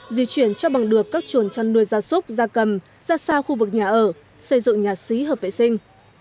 di chuyển cho bằng được các chuẩn chăn nuôi ra súc ra cầm ra xa khu vực nhà ở xây dựng nhà xí hợp vệ sinh